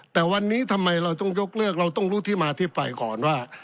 แต่วันนี้ทำไมเราต้องยกเลิกเราต้องรู้ที่มาที่ไปก่อนว่า